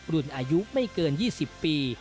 รุ่นอายุไม่เกิน๒๐ปี